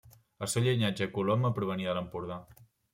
El seu llinatge Coloma provenia de l'Empordà.